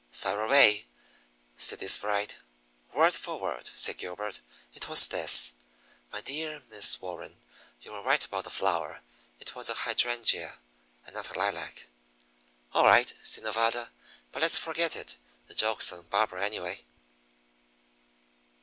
"Fire away!" said his bride. "Word for word," said Gilbert, "it was this: 'My dear Miss Warren You were right about the flower. It was a hydrangea, and not a lilac.'" "All right," said Nevada. "But let's forget it. The joke's on Barbara, anyway!"